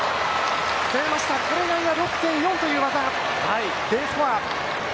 これが６．４という技、Ｄスコア。